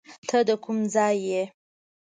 ته د کوم ځای یې؟